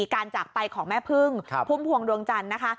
การจากไปของแม่พึ่งพุ่มพวงดวงจันทร์นะคะ